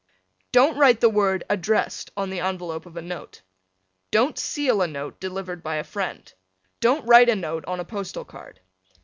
Don't write the word addressed on the envelope of a note. Don't seal a note delivered by a friend. Don't write a note on a postal card.